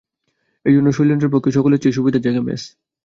এইজন্য শৈলেন্দ্রের পক্ষে সকলের চেয়ে সুবিধার জায়গা মেস।